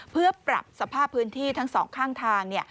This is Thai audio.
เพื่อปรับสภาพพื้นที่ทั้งสองข้างทาง